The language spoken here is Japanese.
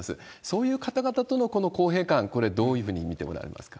そういう方々との公平感、これ、どういうふうに見ておられますか？